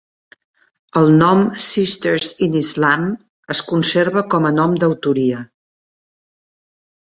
El nom "Sisters in Islam" es conserva com a nom d'autoria.